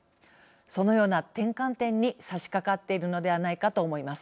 そのような転換点にさしかかっているのではないかと思います。